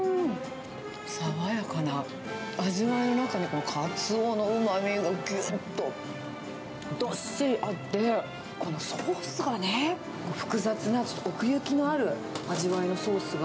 爽やかな味わいの中にカツオのうまみがぎゅっと、どっしりあって、このソースがね、複雑な奥行きのある味わいのソースが、